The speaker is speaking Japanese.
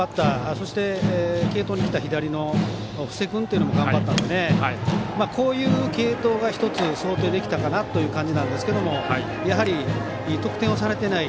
そして継投にきた左の布施君というのも頑張ったので、こういった継投が１つ想定できたかなという感じですがやはり、得点をされてない。